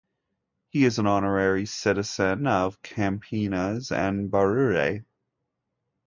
He is an honorary citizen of Campinas and Barueri.